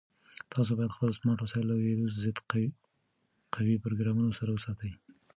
تاسو باید خپل سمارټ وسایل له ویروس ضد قوي پروګرامونو سره وساتئ.